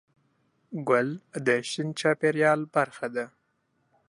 ګل د شین چاپېریال برخه ده.